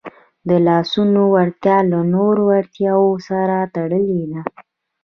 د لاسونو وړتیا له نورو وړتیاوو سره تړلې ده.